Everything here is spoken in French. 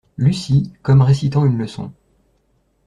Lucie, comme récitant une leçon.